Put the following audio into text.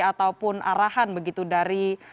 ataupun arahan begitu dari